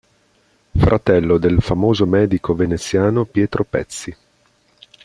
Fratello del famoso medico veneziano Pietro Pezzi.